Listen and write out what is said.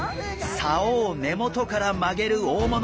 竿を根元から曲げる大物。